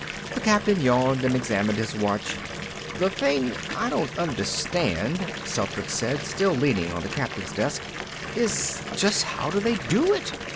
The captain yawned and examined his watch. "The thing I don't understand," Celtrics said, still leaning on the captain's desk, "is just how do they do it?